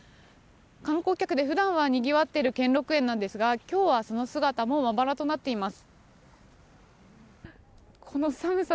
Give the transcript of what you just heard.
観光客で普段はにぎわっている兼六園なんですが今日はその姿もまばらとなっています。